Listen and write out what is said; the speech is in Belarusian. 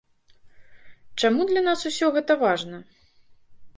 Чаму для нас ўсё гэта важна?